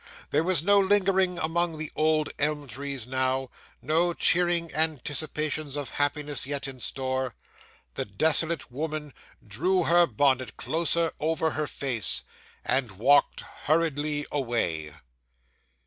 There was no lingering among the old elm trees now no cheering anticipations of happiness yet in store. The desolate woman drew her bonnet closer over her face, and walked hurriedly away.